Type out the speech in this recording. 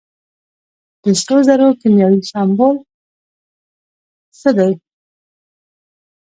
د سرو زرو کیمیاوي سمبول څه دی.